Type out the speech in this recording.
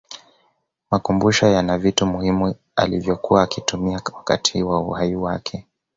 makumbusho yana vitu muhimu alivyokuwa akitumia wakati wa uhai wake